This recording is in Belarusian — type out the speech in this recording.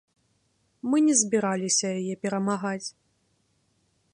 Мы не збіраліся яе перамагаць.